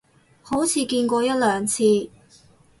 好似見過一兩次